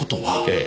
ええ。